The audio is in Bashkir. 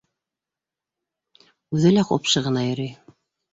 Үҙе лә ҡупшы ғына йөрөй.